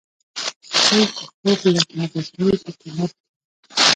څوک چې خوب لکه غوټۍ په طلب کوي.